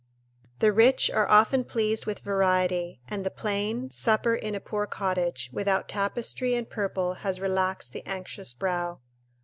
["The rich are often pleased with variety; and the plain supper in a poor cottage, without tapestry and purple, has relaxed the anxious brow."